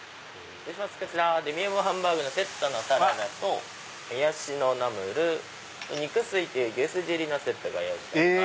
こちらデミオムハンバーグのセットのサラダとモヤシのナムル肉吸いという牛すじ入りのスープご用意しております。